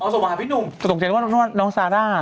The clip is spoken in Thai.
อ๋อสวัสดิ์พี่หนุ่มสงสัยว่าน้องซาร่า